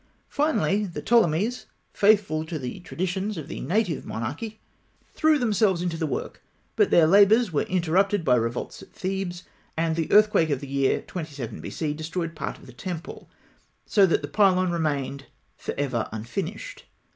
Finally, the Ptolemies, faithful to the traditions of the native monarchy, threw themselves into the work; but their labours were interrupted by revolts at Thebes, and the earthquake of the year 27 B.C. destroyed part of the temple, so that the pylon remained for ever unfinished.